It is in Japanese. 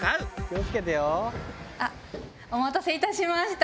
あっお待たせいたしました。